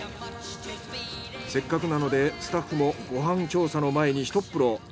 せっかくなのでスタッフもご飯調査の前にひとっ風呂。